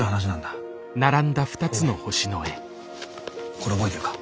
これ覚えてるか？